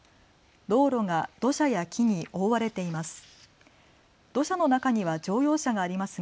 道路が土砂や木に覆われています。